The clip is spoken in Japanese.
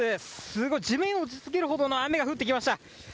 すごい、地面を打ちつけるほどの雨が降ってきました。